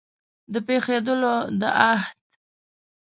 د پېښېدلو د احت